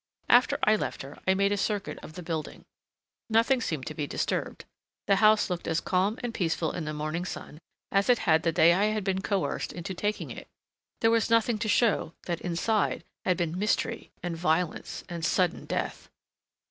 After I left her I made a circuit of the building. Nothing seemed to be disturbed: the house looked as calm and peaceful in the morning sun as it had the day I had been coerced into taking it. There was nothing to show that inside had been mystery and violence and sudden death.